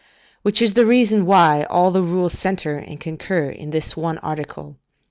Which is the reason why all the rules centre and concur in this one article.